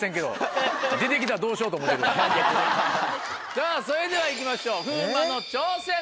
さぁそれではいきましょう風磨の挑戦です。